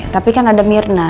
tapi kan ada mirna